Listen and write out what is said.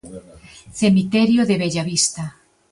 Cemiterio de Bellavista.